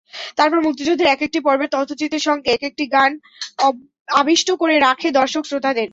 তারপর মুক্তিযুদ্ধের একেকটি পর্বের তথ্যচিত্রের সঙ্গে একেকটি গান আবিষ্ট করে রাখে দর্শক-শ্রোতাদের।